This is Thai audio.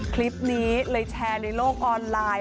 คลิปนี้เลยแชร์ในโลกออนไลน์